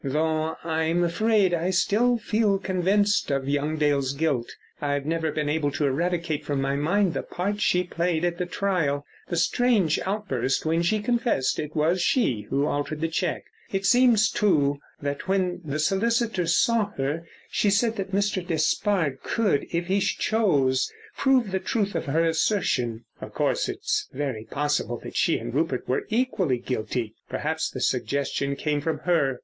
"Though, I'm afraid, I still feel convinced of young Dale's guilt, I've never been able to eradicate from my mind the part she played at the trial—the strange outburst when she confessed it was she who altered the cheque. It seems, too, that when the solicitors saw her she said that Mr. Despard could, if he chose, prove the truth of her assertion. Of course, it's very possible that she and Rupert were equally guilty. Perhaps the suggestion came from her....